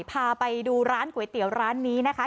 พาไปดูร้านก๋วยเตี๋ยวร้านนี้นะคะ